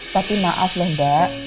tapi maaf lah mbak